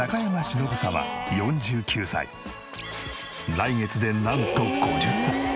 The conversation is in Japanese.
来月でなんと５０歳！